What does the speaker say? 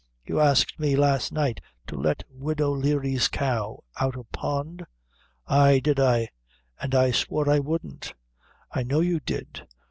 "You asked me last night to let widow Leary's cow out o' pound?" "Ay, did I!" "And I swore I wouldn't." "I know you did.